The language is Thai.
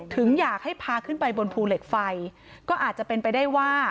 ถึงอยากให้พาขึ้นไปบนภูเหล็กไฟก็อาจจะเป็นไปได้ว่า